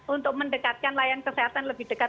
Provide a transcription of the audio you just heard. untuk mendekatkan layanan kesehatan lebih dekat